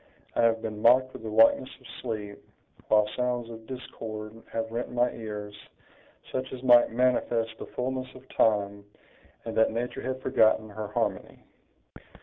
I have been mocked with the likeness of sleep, while sounds of discord have rent my ears, such as might manifest the fullness of time, and that nature had forgotten her harmony."